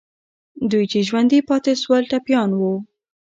دوی چې ژوندي پاتې سول، ټپیان وو.